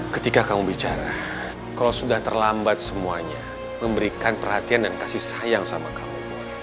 ketika kamu bicara kalau sudah terlambat semuanya memberikan perhatian dan kasih sayang sama kamu